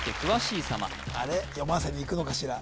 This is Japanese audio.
読ませにいくのかしら